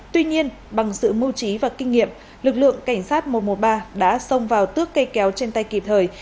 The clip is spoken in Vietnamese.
tuy nhiên bằng sự mưu trí và kinh nghiệm lực lượng cảnh sát mô mố ba đã xông vào tước cây kéo trên tay kịp thời